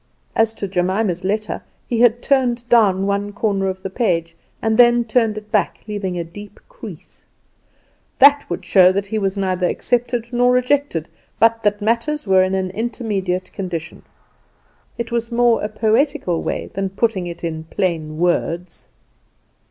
As to Jemima's letter, he had turned down one corner of the page, and then turned it back, leaving a deep crease. That would show that he was neither accepted nor rejected, but that matters were in an intermediate condition. It was a more poetical way then putting it in plain words.